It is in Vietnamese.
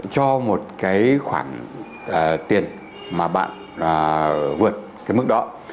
cho một cái khoản tiền mà bạn vượt cái mức đó